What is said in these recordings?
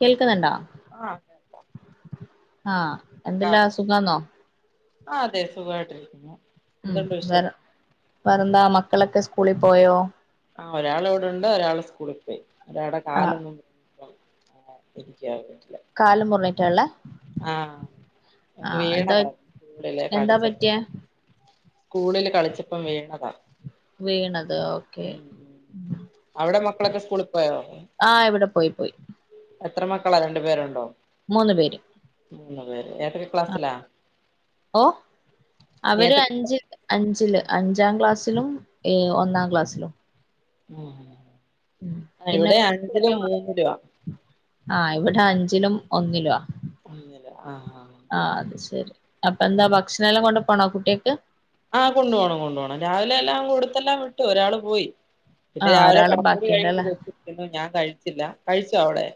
കേൾക്ക്ന്നുണ്ടോ? ആഹ് കേൾക്കാം ആ എന്തല്ലാ സുഖാന്നോ? ആ അതെ സുഖായിട്ടിരിക്കുന്നു. മ് വേറെ [unintelligible] എന്താ മക്കളെക്കെ സ്കൂളി പോയോ? ആ ഒരാൾ ഇവിടുണ്ട്, ഒരാള് സ്കൂളി പോയി. അതവടെ ആഹ് കാലൊന്നും ആ എനിക്ക് [unintelligible] കാല് മുറിഞ്ഞിറ്റാള്ളേ ആഹ് ആ ഒന്ന് എന്താ വീണതായിരുന്നു സ്കൂളില് എന്താ കളിച്ചപ്പോ പറ്റിയേ? സ്കൂളില് കളിച്ചപ്പം വീണതാ. വീണത് ഓക്കെ, ഉം ഉം മ് അവിടെ മക്കളൊക്കെ സ്കൂളിൽ പോയോ ആ ഇവടെ പോയി. പോയി. എത്ര മക്കളാ രണ്ട് പേരുണ്ടോ? [unintelligible] ആ ഓ അവര് ഏതൊക്കെ അഞ്ചില് അഞ്ചില് അഞ്ചാം ക്ലാസ് ലും എ ഒന്നാം ക്ലാസ്സിലും. ആഹ ഹ ഉം ആ പിന്നെ ഇവിടെ അഞ്ചിലും മൂന്നിലുവ. ആ ഇവിടെ അഞ്ചിലും ഒന്നിലും ആ ആ ശരി അപ്പൊ എന്താ ഭക്ഷണംെല്ലാം കൊണ്ട പണൊ കുട്ടിയക്ക് ആഹ് കൊണ്ടു പോണം കൊണ്ടു പോണം രാവിലെ എല്ലാം കൊടുത്തെല്ലാം വിട്ടു ഒരാള് പോയി പിന്നെ ആഹ് രാവിലെ ഒരാള് കാപ്പൂടി ബാക്കിയുണ്ടല്ലേ കഴിഞ്ഞിട്ട് [inaudible] ഞാൻ കഴിച്ചില്ല കഴിച്ചോ അവിടെ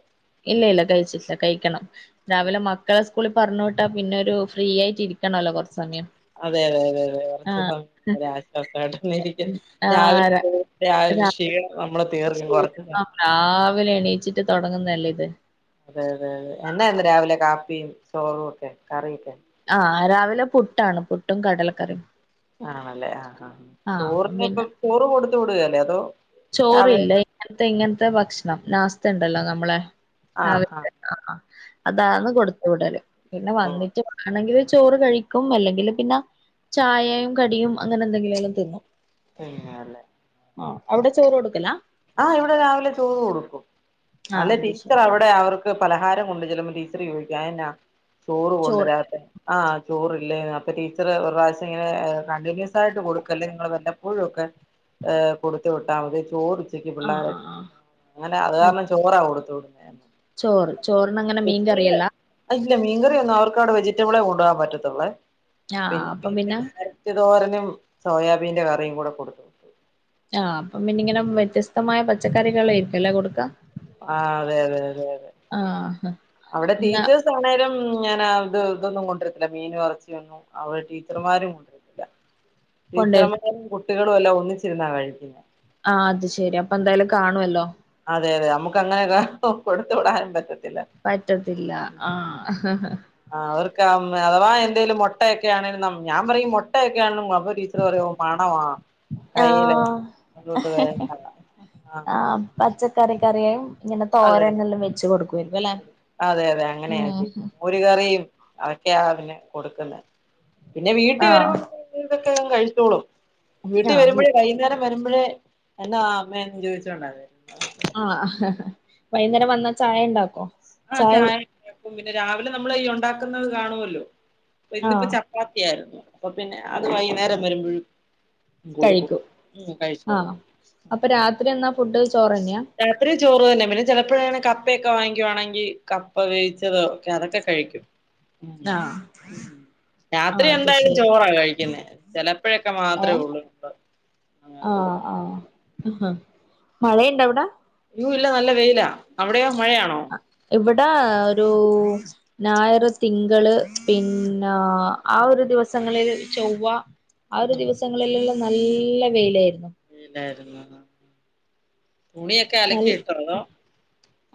ഇല്ല ഇല്ല കഴിച്ചിട്ടില്ല കഴിക്കണം രാവിലെ മക്കളെ സ് സ്കൂളി പറഞ്ഞ് വിട്ടാ പിന്നെ ഒരു ഫ്രീ ആയിട്ട് ഇരിക്കണോല്ലോ കൊറച്ച് അതെ അതെ അതെ അതെ കൊറച്ച് സമയം ഒര് ആശ്വാസായിട്ട് [unintelligible] രാവിലെ പോവും പിന്നെ അം ഒരു ക്ഷീണവ ശെരി രാവിലേ എണി ച്ചിട്ട് തൊടങ്ങുന്ന അല്ലേ ഇത് അതെ അതെ അതെ എന്നാ ഇന്ന് രാവിലെ കാപ്പിയും ചോറും ഒക്കെ കറിയൊക്കെ ആഹ് രാവിലെ പുട്ടാണ് പുട്ടും കടലക്കറിയും ആണല്ലേ ആ ആഹ് അപ്പം പിന്നെ ചോറിനിപ്പം ചോറ് കൊടുത്ത് വിടുകയല്ലേ അതോ രാവിലെ ചോറില്ല ഇങ്ങനത്തെ ഇങ്ങനത്തെ ഭക്ഷണം ന അവസ്ഥ ഉണ്ടല്ലോ നമ്മളെ ആഹ് ആഹ് രാവിലത്തെ ആഹ് അതാന്ന് കൊടുത്ത് വിടല് പിന്നെ ഓ വന്നിട്ട് വേണെങ്കില് ചോറ് കഴിക്കും അല്ലെങ്കില് പിന്നെ ചായയും കടിയും അങ്ങനെ എന്തെങ്കിലേലും തിന്നും പിന്നെയല്ലേ ആ അവിടെ ചോറ് കൊടുക്കല ആഹ് ഇവിടെ രാവിലെ ചോറ് കൊടുക്കും ആഹ് അല്ലെ അത് ടീച്ചർ ശരി അവിടെ അവർക്ക് പലഹാരം കൊണ്ട് ചെല്ലുമ്പം ടീച്ചറ് ചോയിക്കും അയെന്ന ചോറ് കൊണ്ടുവരാത്തെ ആഹ് ചോറ് ഇല്ലേനു അപ്പം ടീച്ചറ് ഒര് പ്രാവശ്യം ഇങ്ങനെ കണ്ടിന്യൂസ് ആയിട്ട് കൊടുക്കല്ലെ നിങ്ങഴള് വല്ലപ്പോഴും ഒക്കെ ഏ കൊടുത്ത് വിട്ട മതി ചോറ് അപ്പഴ്ത്തേക്ക് ആഹ് പിള്ളാരെ ആഹ് ആഹ് അങ്ങനെ അത് കാരണം ചോറാ കൊടു തുടങ്ങി ചോറ് ചോറിനങ്ങനെ മീൻ കറിയല്ല [unintelligible] അല്ല മീൻകറി ഒന്നും അവർക്ക് അവിടെ വെജിറ്റബിളെ കൊടു കൊണ്ടു പോവാൻ പറ്റത്തുള്ളെ ആഹ് പിന്നെ അപ്പം [unintelligible] ക്യാരറ്റ് തോരനും സോയാബീന്റെ കറിയും കൂടെ കൊടുത്ത് വിട്ടു ആഹ് അപ്പം പിന്നെ ഇങ്ങനെ വ്യത്യസ് സ്തമായ പച്ചക്കറികളായിരിക്കും അല്ലേ കൊടുക്ക ആ അതെ അതെ അതെ അതെ ആഹ് അവിടെ എന്നാ ടീച്ചേഴ്സ് ആണേലും ഞാനാ ഇത് ഇതൊന്നും കൊണ്ടിരത്തില്ല മീനും എറച്ചിയൊന്നും അവിടെ ടീച്ചർമാരും [unintelligible] കൊണ്ടരും [unintelligible] കുട്ടികളും എല്ലാം ഒന്നിച്ചിരുന്നാ കഴിക്കുന്നത് ആ അത് ശെരി അപ്പൊ എന്തായാലും കാണുവല്ലോ അതെ അതെ നമുക്ക് അങ്ങനെ കൊടുത്ത് വിടാനും പറ്റത്തില്ല പറ്റത്തില്ല ആഹ് ആ, അവർക്ക് ആ, അഥവാ എന്തേലും മൊട്ടയൊക്കെ ആണേലും ഞാൻ പറയും മൊട്ടയൊക്കെയാണെലും കൊ അപ്പൊ ടീച്ചർ പറയും മണവാ കൈയിലെ ആഹ് [unintelligible] ആഹ് പച്ചക്കറി കറിയും ഇങ്ങനെ തോരൻ എല്ലാം വെച്ച് കൊടുക്കുവരുക്കും അല്ലേ അതെ അതെ ഉം ക്കെയാ പിന്നെ കൊടുക്കുന്നെ പിന്നെ വീട്ടിൽ വരുമ്പോ ആഹ് [unintelligible] [unintelligible] കഴിച്ചോളും വീട്ടിൽ ആഹ് വരുമ്പഴേ വൈകുന്നേരം വരുമ്പോഴേ എന്താ അമ്മേന്ന് ചോദിച്ചോണ്ടാ വരുന്നത് ആ വൈകുന്നേരം വന്ന ചായ ഇണ്ടാക്കോ? ആ ചായ [unintelligible] പിന്നെ രാവിലെ നമ്മള് ഈ ഒണ്ടാക്കുന്നത് കാണുമല്ലോ അപ്പ ഇന്നിപ്പോ ആഹ് ചപ്പാത്തിയായിരുന്നു അപ്പൊ പിന്നെ അത് വൈകുന്നേരം വരുമ്പോഴ് കഴിക്കും ആണോ? അപ്പൊ രാത്രി എന്നാ ഫുഡ്? രാത്രി [unintelligible] ചോറ് തന്നെ പിന്നെ ചിലപ്പോഴാണേൽ കപ്പയക്കെ വാങ്ങിക്കുവാണെങ്കിൽ കപ്പ വേവിച്ചു [unintelligible] അതൊക്കെ കഴിക്കും ആഹ് ആഹ് രാത്രി അത് എന്തായാലും ശരി ചോറാ കഴിക്കുന്നേ ചെലപ്പോഴൊക്കെ മാത്രേ ഏഹ് ഉള്ളൂ ചപ്പാത്തി അഹ് കൊടുക്കാം മഴയുണ്ടവിട? [unintelligible] ഇല്ല നല്ല വെയിലാ അവിടെയോ മഴയാണോ? ഇവിടെ ഒരു ഞായർ തിങ്കള് പിൻ ആ, ആ ഒരു ഉം ദിവസങ്ങളിൽ ചൊവ്വ ആ ഒരു ഉം ദിവസങ്ങളിലുള്ള നല്ല വെയിലായിരുന്നു വെയിലായിരുന്നു എന്നു നൽ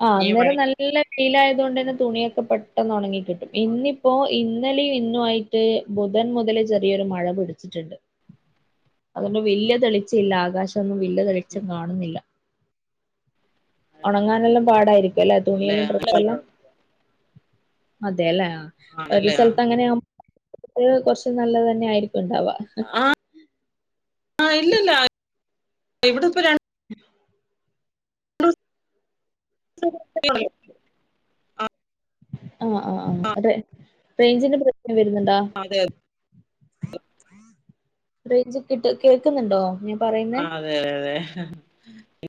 ആ നീ അന്നേരം വഴി നല്ല [unintelligible] ലായത് കൊണ്ട് തന്നെ തുണിയൊക്കെ പെട്ടെന്ന് ഒണങ്ങി ഇന്നിപ്പോ ഇ ഇന്നലെയും ഇന്നു ആയിട്ട് ബുധൻ മുതലേ ചെറിയൊരു മഴ പിടിച്ചിട്ട്ണ്ട് അതിന് വെല്യ തെളിച്ച ഇല്ല ആകാശൊന്നും വല്യ തെളിച്ചം കാണുന്നില്ല ഒണങ്ങാനെല്ലാം പാടായിരിക്കും അല്ലെ അല്ലേ തുണിയെല്ലാം ഡ്രെസ്സെല്ലാം അതേല്ലേ ഒരു ആണല്ലേ ആ സ്ഥലത്ത് അങ്ങനെയാ കുട്ടികൾ കൊറച്ച് നല്ലത് തന്നെ ആയിരി ണ്ടാവാ ആ ഇല്ലല്ല ഇവിടെ ഇപ്പ ര [unintelligible] ആ ആ ആ അതെ റെയ്ഞ്ചിന്റെ വര്ന്ന്ണ്ടാ റെയ്ഞ്ച് കിട്ട് കേക്ക്ന്ന്ണ്ടോ ഞാ ആ അതെ അതെ അതെ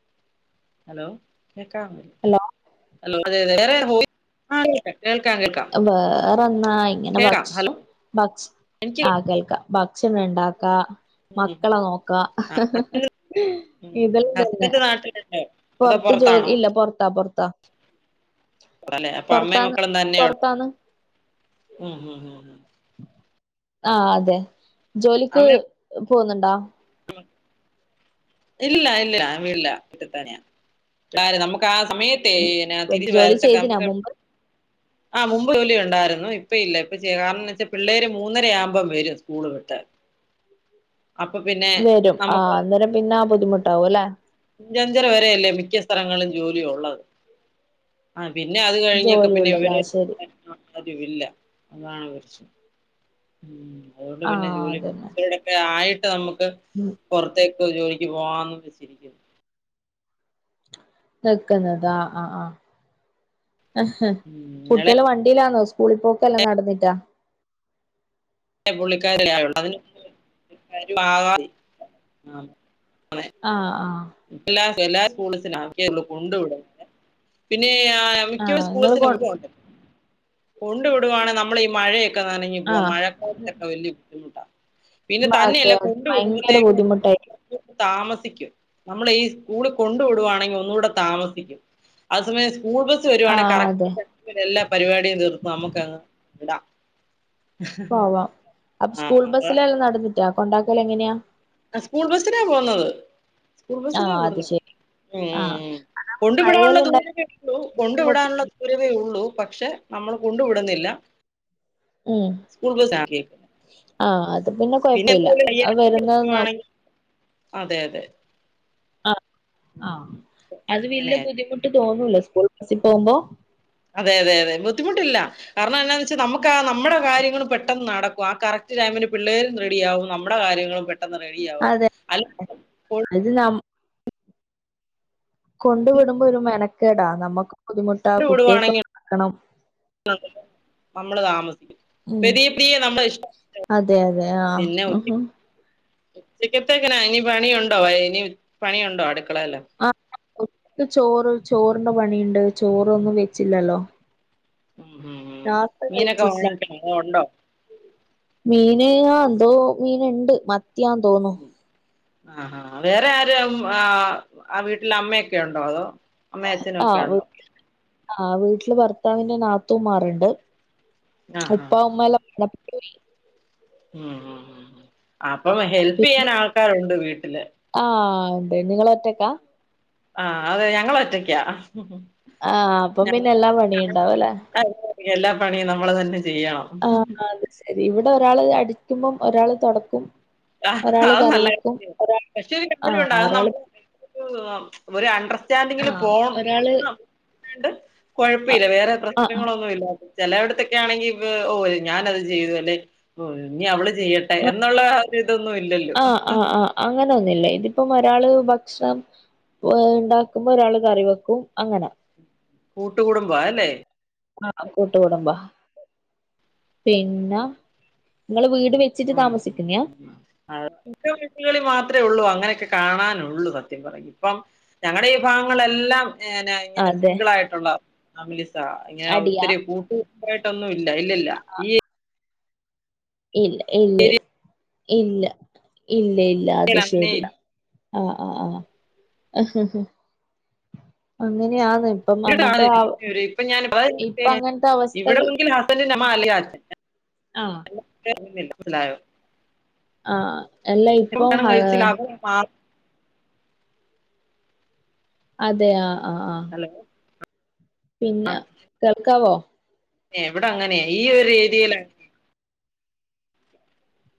ഹലോ കേക്കാം ഹലോ അ അതെതെ വേറെ [unintelligible] വേറെന്നാ ഇങ്ങനെ കേക്കാം ഭക്ഷ് ഹലോ ഭക്ഷ് എനിക്ക് ആ കേൾക്കാം ബ ക്ഷണണ്ടാക്ക ഉം മക്കളെ നോക്കാ ആ ഹസ്ബൻഡ് ഉം ഇതെല്ലാം തന്നെ ഹസ്ബൻഡ് നാട്ടിലുണ്ട് അതോ പൊറത്ത് ജോലി പുറത്താണോ ഇല്ല പൊറത്താ പൊറത്താ അല്ലെ അപ്പൊ അമ്മയും പൊറത്താന്ന് മക്കളും ഉം പൊറത്താന്ന് ഉം ഉം ആ അതെ ജോലിക്ക് അമ്മ പോക്ന്ന്ണ്ടോ [inaudible] ഇല്ല ഇല്ല വീടല്ല [unintelligible] കാര നമുക്ക് ആ സമയത്തേ തിരികെ ജോലി ചെയ്തിനാ [unintelligible] മുമ്പ് ആ മുമ്പ് ജോലി ഒണ്ടായ് ന്നു ഇപ്പ ഇല്ല ഇപ്പ ചെയ കാരണംന്ന് വെച്ചാ പിള്ളേര് മൂന്നര ആകുമ്പം വരും സ്കൂള് വിട്ട് അപ്പൊ പിന്നെ വരും ആ നമുക്ക് അന്നേരം പിന്നെ ആ ബുദ്ധിമുട്ടാവും അല്ലെ അഞ്ചഞ്ചര വരെ അല്ലേ മിക്ക സ്ഥലങ്ങളിലും ജോലി ഒള്ളത് പിന്നെ അത് കഴിഞ്ഞക്കെ ജോലി പിന്നെ ഉള്ളത് ആ വരെ ശരി തീല്ല അതാണ് കുറിച്ച് ഉം അതുകൊണ്ട് ആ പിന്നെ ജോലി അതന്നെ കൊറച്ചുടൊക്കെ ആയിട്ട് [unintelligible] ഉം പൊറത്തേക്ക് ജോലിക്ക് പോവാന്ന് വെച്ചിരിക്കാര്ന്നു നിക്കുന്നത് ആ ആ ആ അഹാ ഉം കുട്ടികള് ഇളയ വണ്ടിയിലാന്നോ സ്കൂളി പോക്കെല്ലാം നടന്നിട്ടാ പുള്ളിക്കാരി ആയുള്ളൂ അതിന് ആഹ് ആ ആ എല്ലാ സ്കൂള്സിനും ആക്കി കൊണ്ടു വിടും പിന്നെ ആ ആ മിക്ക നിങ്ങള് സ്കൂൾസിനും കൊ ഇപ്പോണ്ട് കൊണ്ടു വിടുകാണ് നമ്മൾ ഈ മഴയെ ഒക്കെ നനഞ്ഞു ആ പോവും മഴക്കോട്ടൊക്കെ വലിയബു ബുദ്ധിമുട്ടാ പിന്നെ അതെ തന്നെയല്ല അതെ കൊണ്ട് ഭയങ്കര വിടുമ്പോത്തേക്ക് ബുദ്ധിമുട്ടായി താമസ തിക്കും നമ്മള് ഈ സ്കൂളി കൊണ്ടു വിടുവാണെങ്കി ഒന്നൂടെ താമസിക്കും ആ സമയം സ് സ്കൂൾ ബസ് ആ വരുവാണെ അതെ കറക്റ്റ് എല്ലാ പരിപാടിയും തീർത്തു നമുക്കങ്ങ് ഇടാം പോവാം അപ്പ സ്കൂൾ ബസ്സില എല്ലാ നടന്നിട്ട് കൊണ്ടാക്കല് എങ്ങനെയാ ആ സ്കൂൾ ബസിനാ പോന്നത് സ്കൂൾ ആ ബസിനാ അത് വിടുന്നെ ശരി ഉം ആ ഉം ഉം കൊണ്ടു വിടാനുള്ള മഴയെല്ലാം ഉണ്ടായ ദൂരവേ ഉള്ളൂ കൊണ്ടു ബുദ്ധിമുട്ട് വിടാനുള്ള ദൂരവേ ഉള്ളൂ പക്ഷെ നമ്മൾ കൊണ്ടു വിടുന്നില്ല ഉം സ്കൂൾ ആ അത് പിന്നെ പിന്ന കൊഴപ്പില്ല എന്തേലും അത് വയ്യായ്ക വരുന്നത് നോ വരുവാണെങ്കി അതെ അതെ അ ആ അത് അങ്ങനെ വല്ല്യ ബുദ്ധിമുട്ട് തോന്ന സ്കൂൾ ബസി പോക്പോ അതെ അതെ അതെ ബുദ്ധിമുട്ടില്ല കാരണം എന്താന്ന് വെച്ചാൽ നമുക്ക് ആ നമ്മുടെ കാര്യങ്ങളും പെട്ടെന്ന് നടക്കും ആ കറക്റ്റ് ടൈമില് പിള്ളേരും റെഡിയാവും നമ്മുടെ കാര്യങ്ങളും പെട്ട പെട്ടെന്ന് റെഡിയാവും അതെ അല്ല ഇത് ന കൊണ്ട് വിടുമ്പോ ഒരു മെനക്കേടാ നമ്മക്ക് ബുദ്ധിമുട്ടാ കുട്ടിയെ വിടുവാണെങ്കിൽ കൊണ്ടാക്കണം നമ്മള് താമസി ഉം അതെ അതെ ആ ഹും ഉച്ചിക്കത്തേക്കനാ ഇനി പണിയുണ്ടോ ഇനി പണിയുണ്ടോ അടുക്ക ആ ഉ [unintelligible] ക്ക് ചോറ് ചോറ് പണിണ്ട് ചോ റൊന്നും ഉം വെച്ചില്ലല്ലോ ഉം ഉം ഉ രാത്രി മീനൊക്കെ കഴിച്ചിട്ടില്ല വാങ്ങിക്കോ അതോ ഉണ്ടോ മീന് ആ ഏന്തോ മീന് ണ്ട് മ ത്ത്യാന്ന് തോന്നു ആ ഹാ വേറാരാ ആ ആ വീട്ടിലമ്മയൊക്കെയുണ്ടോ അതോ അമ്മേ അച്ചനൊക്കെ ആഹ് ഉണ്ടോ ആ വീട്ടില് ഭർത്താവിന്റെ നാത്തൂമാര്ണ്ട് ആഹ് ഉപ്പ ഉമ്മ എല്ലാം [unintelligible] പോയി ഊം ഹും ഹും അപ്പം ഹെൽപ്പെയ്യാൻ ആൾക്കാരുണ്ട് വീ ട്ട്ല് ആ അതെ നിങ്ങളൊറ്റക്കാ ആ അതെ ഞങ്ങളൊറ്റക്ക്യാ ആ അപ്പം പിന്നെ എല്ലാ ഞങ്ങ പണിയുണ്ടാവ ലേ എല്ലാ പണി നമ്മള് തന്നെ ചെയ്യണം ആ അത് ശരി ഇവിടൊരാള് അടി ക്കുമ്പം ഒരാള് തൊടക്കും ആ ഒരാള് അത് കറി നല്ല വെക്കും, കാര്യ ഒരാ പക്ഷെ ഒരു ആഹ് കാര്യണ്ടത് ഒരാള് നമ്മള് ഒരു അണ്ടർസ്റ്റാൻഡിങ്ങില് ആഹ് പോണം ഒരാള് [unintelligible] അ കൊയ്പില്ല വേറെ ആഹ് പ്രശ്നങ്ങളൊന്നുമില്ലാതെ ചെലോട്ത്തൊക്കെയാണെങ്കി ഓ ഓര് ഞാനത് ചെയ്തു അല്ലെ ഓര് ഇനി അവള് ചെയ്യട്ടെ എന്നുള്ള ഇതൊന്നും ഇല്ലല്ലോ ആ അ ആ അങ്ങനൊന്നില്ലേ ഇപ്പം ഒരാള് ഭക്ഷണം ഉണ്ടാക്കുമ്പോ ഒരാള് കറി വെക്കും അങ്ങനെ കൂട്ടുകൂടുംബാ അല്ലേ ആ കൂട്ടുകുടുംബാ പിന്ന ഉം അതെ [unintelligible] വിടുകളിൽ മാത്രേ ഉള്ളൂ അ ങ്ങനെയൊക്കെ കാണാനുള്ളൂ സത്യം പറ ഇപ്പം ഞങ്ങളുടെ ഈ ഭാഗങ്ങളെല്ലാം [unintelligible] ഇങ്ങനെ അതെ സിംഗിൾ ആയിട്ടുള്ള ഫാമിലീസാ ഇങ്ങനെ അടിയാ? ഒത്തിരി കൂട്ടു യായിട്ടൊന്നും ഇൽ ല്ല ഇല്ലല്ല ഈ ഇല്ല ഇല്ല ഇല്ല ഇല്ല ഇ ഇല്ല അത് ഏരിയയിൽ അങ്ങനെ ശരി ഇല്ല ആ ആ ആ അങ്ങനെയാ [unintelligible] ഇപ്പൊ ഞാൻ ഇപ്പ [unintelligible] അങ്ങനത്തെ അവസ്ഥകൾ ഇവിടെങ്കിൽ ഹസ്ബന്റിന്റെ അമ്മ അല്ലെങ്കിൽ ആഹ് അച്ഛൻ [unintelligible] ഉണ്ടായോ ആ എല്ല ഇപ്പൊ [unintelligible] അതെയാ ആ ആ ഹലോ പിന്നെ കേൾക്കാവോ? ഏ ഇവിടെ അങ്ങനെയാ ഈ ഒരു ഏരിയേല്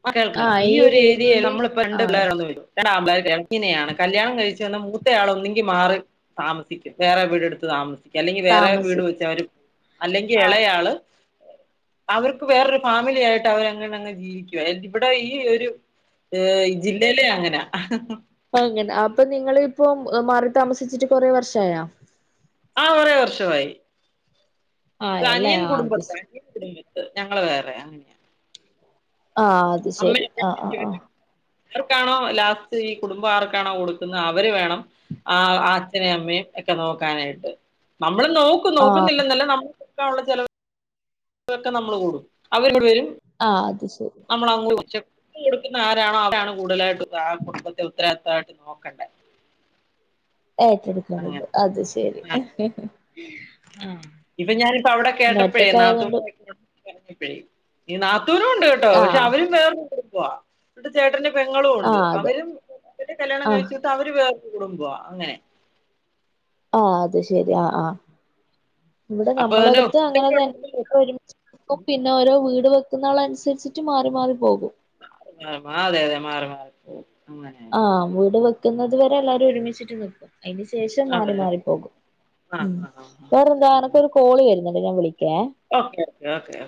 ആ കേൾക്കാം ആഹ് ഈ ഒരു ഏരിയ ഏരിയയില് നമ്മളിപ്പോ രണ്ട് ആഹ് പിള്ളേരാന്ന് [unintelligible] [unintelligible] കല്യാണം കഴിച്ച് വന്ന മൂത്തയാള് ഒന്നെങ്കി മാറി താമസിക്കും വേറെ വീടെടുത്ത് താമസിക്കും. അല്ലെങ്കിൽ വേറെ താമസി വീട് വെച്ച് അവര് അല്ലെങ്കിൽ എളേയാള് അവർക്ക് വേറൊരു ഫാമിലി ആയിട്ട് അവരങ്ങനങ്ങ് ജീവിക്കും. [unintelligible] ഇവിടെ ഈ ഒരു ഏ ജില്ലയിലെ അങ്ങനാ [unintelligible] അങ്ങനെ അപ്പൊ നിങ്ങള് ഇപ്പോ മാറി താമസിച്ചിട്ട് കൊറേ വർഷായ ആ കുറേ വർഷമായി. ആയല്ലേ അനിയൻ ആഹ് കുടുംബത്തെ [unintelligible] ഞങ്ങള് വേറെയാ അങ്ങനെയാ ആ അത് ശെരി ആ ആ ആ അവർക്കാണോ ലാസ്റ്റ് ഈ കുടുംബ ആർക്കാണോ കൊടുക്കുന്നെ അവര് വേണം ആ അച്ഛനേും അമ്മയും ഒക്കെ നോക്കാനായിട്ട് നമ്മ നമ്മള് നോക്കും ആഹ് നോക്കുന്നില്ലെന്നല്ല [unintelligible] [unintelligible] ചെലവ് [unintelligible] നമ്മള് കൊടും അവർ ഇങ്ങട് വരും ആ, അത് ശരി. നമ്മള് [unintelligible] കൊടുക്കുന്ന ആരാണോ അവരാണ് കൂടുതലായിട്ടും ആ കുടുംബത്തിൽ ഉത്ര ഇതായിട്ട് നോക്കണ്ടേ അങ്ങനെ ഏറ്റെടുക്കണത് അത് ശെരി. ഇപ്പൊ ഞാനിപ്പോ അവിടെ പിന്നെ കേട്ടപ്പോഴേ ഒറ്റക്കായതുകൊണ്ട് നാത്തൂന്റെ [unintelligible] ഈ നാ ദൂരമുണ്ട് കേട്ടോ പക്ഷെ ആഹ് അവരും ചേർ [unintelligible] എന്ന്ട്ട് ചേട്ടന്റെ പെങ്ങളും ഉണ്ട് ആഹ് അത് അവരും കല്യാണം ആഹ് കഴിച്ചിട്ട് അവര് വേ കൂടുമ്പോ അങ്ങനെ ആ അത് ശെരി ആ ആ ഇവിടെ അപ്പൊ തന്നെ നമ്മളടുത്ത് അങ്ങനെ ഫുഡൊക്കെ ഉണ്ടാക്കുന്ന തന്ന ഒരുമിച്ചച്ച് പിന്നെ ഓരോ വീട് വെക്കുന്ന ആൾ അനുസരിച്ചിട്ട് മാറി മാറി പോകും മാ മാറ അതെ അതെ മാറി മാറി അങ്ങനെ ആഹ് വീട് വ ക്കുന്നത് വരെ എല്ലാവരും ഒരുമിച്ചിട്ട് നിൽക്കും അതിന് ശേഷം മാറി അതെ മാറി പോകും ഉ ആഹ് ആഹ് ആഹ് വേറെന്താ എനക്ക ഒരു കോളി ന്നിട്ട് ഞാൻ വിളി ഓക്കെ ഓക്കേ ഓ